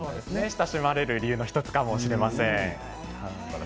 親しまれる理由の１つかもしれません。